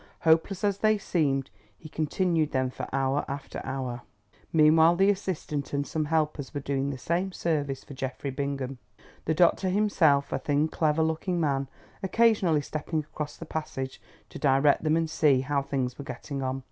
Hopeless as they seemed, he continued them for hour after hour. Meanwhile the assistant and some helpers were doing the same service for Geoffrey Bingham, the doctor himself, a thin clever looking man, occasionally stepping across the passage to direct them and see how things were getting on.